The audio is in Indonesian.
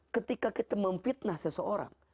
ketika kita memfidnah seseorang